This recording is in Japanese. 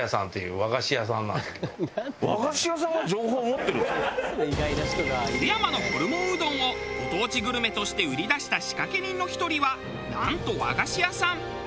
もっとあのそういう事に津山のホルモンうどんをご当地グルメとして売り出した仕掛け人の１人はなんと和菓子屋さん。